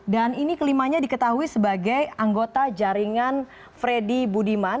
dan ini kelimanya diketahui sebagai anggota jaringan freddy budiman